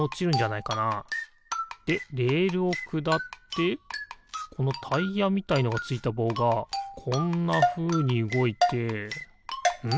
でレールをくだってこのタイヤみたいのがついたぼうがこんなふうにうごいてん？